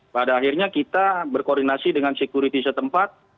pada akhirnya kita berkoordinasi dengan sekuriti setempat